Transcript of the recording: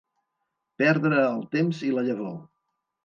Perdre el temps i la llavor.